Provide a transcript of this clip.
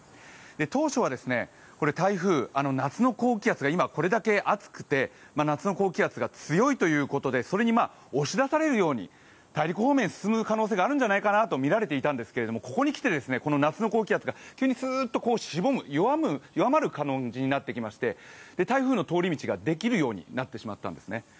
当初は台風、今、これだけ暑くて夏の高気圧が強いということでそれに押し出されるように大陸方面に進む可能性があるんじゃないかなとみられていたんですが、ここにきて夏の高気圧がすーっとしぼむ、弱まる感じになってきまして台風の通り道ができる感じになってきたんですね。